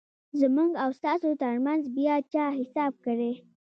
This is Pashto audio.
زموږ او ستاسو ترمنځ بیا چا حساب کړیدی؟